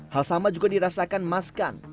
hal sama juga dirasakan mas kan